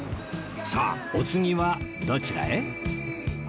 さあお次はどちらへ？